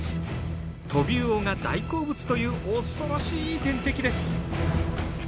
トビウオが大好物という恐ろしい天敵です。